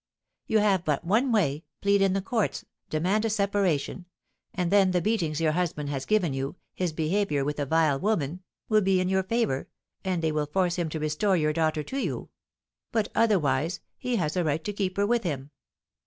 'You have but one way plead in the courts, demand a separation and then the beatings your husband has given you, his behaviour with a vile woman, will be in your favour, and they will force him to restore your daughter to you; but, otherwise, he has a right to keep her with him.'